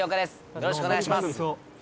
よろしくお願いします